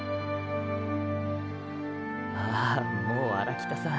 あーもー荒北さん。